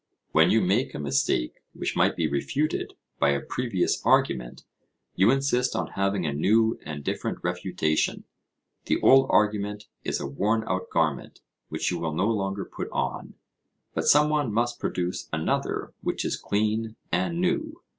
When you make a mistake which might be refuted by a previous argument, you insist on having a new and different refutation; the old argument is a worn our garment which you will no longer put on, but some one must produce another which is clean and new.